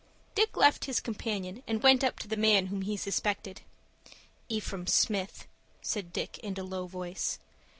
Dick left his companion, and went up to the man whom he suspected. "Ephraim Smith," said Dick, in a low voice.